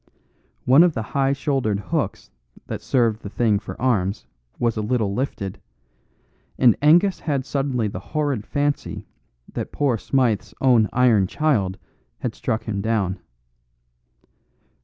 One of the high shouldered hooks that served the thing for arms, was a little lifted, and Angus had suddenly the horrid fancy that poor Smythe's own iron child had struck him down.